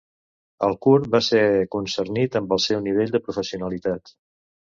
En curt, va ser concernit amb el seu nivell de professionalitat.